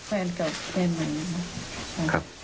แฟนเก่าแฟนใหม่นะครับ